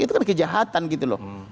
itu kan kejahatan gitu loh